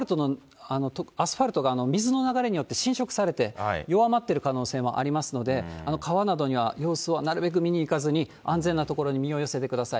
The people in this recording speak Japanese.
アスファルトが水の流れによって浸食されて、弱まってる可能性もありますので、川などには、様子はなるべく見に行かずに、安全な所に身を寄せてください。